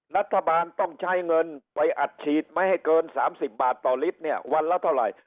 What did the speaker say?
รัฐบาลต้องใช้เงินไปอัดฉีดไม่ให้เกิน๓๐บาทต่อลิตรเนี่ยวันละเท่าไหร่